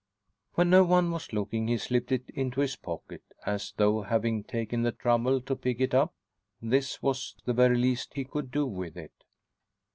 When no one was looking he slipped it into his pocket, as though, having taken the trouble to pick it up, this was the very least he could do with it.